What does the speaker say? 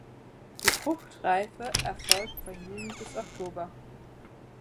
Die Fruchtreife erfolgt von Juni bis Oktober.